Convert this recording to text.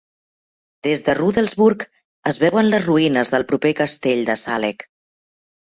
Des de Rudelsburg es veuen les ruïnes del proper castell de Saaleck.